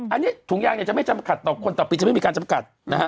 อันนี้ถุงย่างจะไม่จำกัดตกคนตามไปจะไม่มีการจำกัด